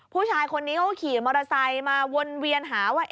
ผู้ชายคนนี้เขาขี่มอเตอร์ไซค์มาวนเวียนหาว่า